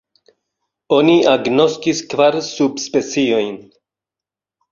Oni agnoskis kvar subspeciojn.